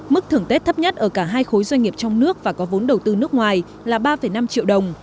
mức thưởng tết thấp nhất ở cả hai khối doanh nghiệp trong nước và có vốn đầu tư nước ngoài là ba năm triệu đồng